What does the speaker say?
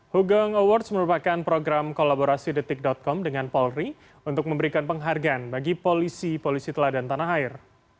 hugeng awards merupakan program kolaborasi detik com dengan polri untuk memberikan penghargaan bagi polisi polisi teladan tanah air